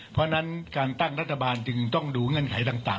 เพราะฉะนั้นการตั้งรัฐบาลจึงต้องดูเงื่อนไขต่าง